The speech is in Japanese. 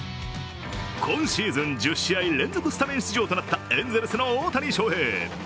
今シーズン１０試合連続スタメン出場となったエンゼルスの大谷翔平。